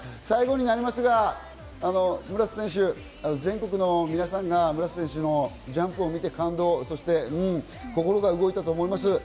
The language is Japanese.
最後ですが、村瀬選手、全国の皆さんが村瀬選手のジャンプを見て感動、そして心が動いたと思います。